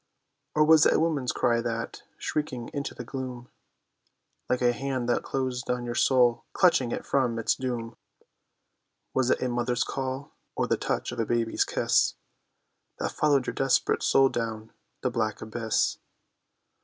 Or was it a woman's cry that, shrieking into the gloom, Like a hand that closed on your soul clutching it from its doom? Was it a mother's call, or the touch of a baby's kiss, That followed your desperate soul down the black abyss?